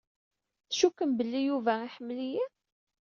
Tcukkem belli Yuba iḥemmel-iyi?